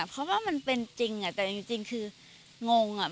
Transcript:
เพราะว่ามันเป็นจริงแต่จริงคืองงอ่ะ